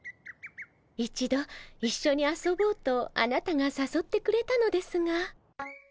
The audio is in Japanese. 一度一緒に遊ぼうとあなたがさそってくれたのですが。